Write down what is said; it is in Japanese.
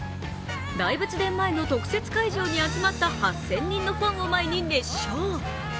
大仏殿前の特設会場に集まった８０００人のファンを前に熱唱。